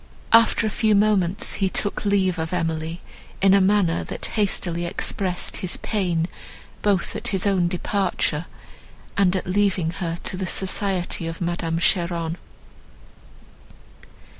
After a few moments he took leave of Emily, in a manner, that hastily expressed his pain both at his own departure, and at leaving her to the society of Madame Cheron.